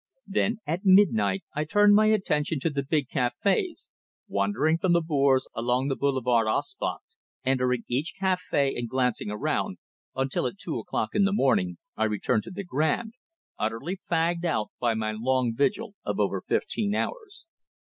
Then, at midnight, I turned my attention to the big cafés, wandering from the Bourse along the Boulevard Auspach, entering each café and glancing around, until at two o'clock in the morning I returned to the Grand, utterly fagged out by my long vigil of over fifteen hours.